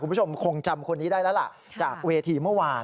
คุณผู้ชมคงจำคนนี้ได้แล้วล่ะจากเวทีเมื่อวาน